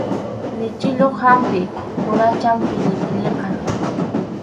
Lichiyuq hampi quracham pillipilliqa.